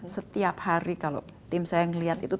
setiap hari kalau tim saya ngelihat itu